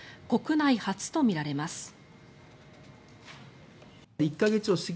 国内初とみられます。